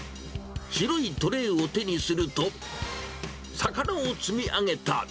白いトレーを手にすると、魚を積み上げた。